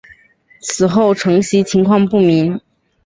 此后承袭情况不明。